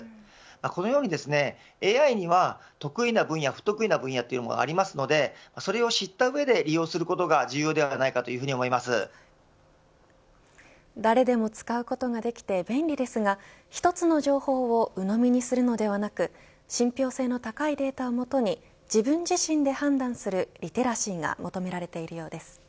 このように、ＡＩには得意な分野、不得意な分野がありますのでそれを知ったうえで利用することが誰でも使うことができて便利ですが１つの情報をうのみにするのではなく信憑性の高いデータを基に自分自身で判断するリテラシーが求められているようです。